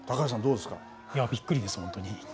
いや、びっくりです、本当に。